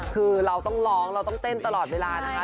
คือเราต้องร้องเราต้องเต้นตลอดเวลานะคะ